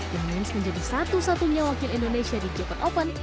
the mins menjadi satu satunya wakil indonesia di japad open